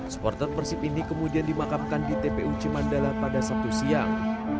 supporter persib ini kemudian dimakamkan di tpu cimandala pada sabtu siang